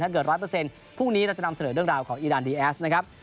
ถ้าเกิดร้อยเปอร์เซ็นต์พรุ่งนี้เราจะนำเสนอเรื่องราวของอีดานดีแอส